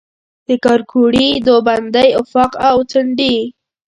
د کارکوړي، دوبندۍ آفاق او څنډي